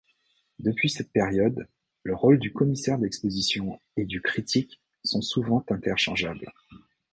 Depuis cette période, le rôle du commissaire d'exposition et du critique sont souvent interchangeables.